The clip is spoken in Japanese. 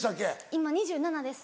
今２７歳です。